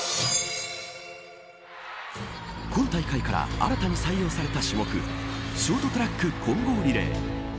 今大会から新たに採用された種目ショートトラック混合リレー。